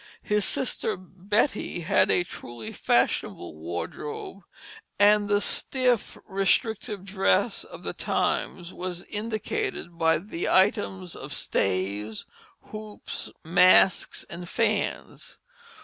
His sister Betty had a truly fashionable wardrobe, and the stiff, restrictive dress of the times was indicated by the items of stays, hoops, masks, and fans.